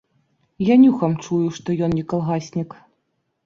Я нюхам чую, што ён не калгаснік.